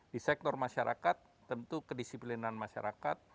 di sektor masyarakat tentu kedisiplinan masyarakat